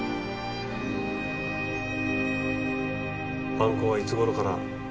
犯行はいつ頃から？